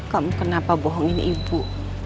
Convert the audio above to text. kamu kenapa bohongin ibu